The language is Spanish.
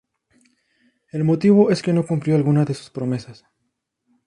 El motivo es que no cumplió algunas de sus promesas.